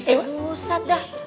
eh musad dah